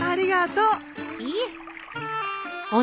いえ。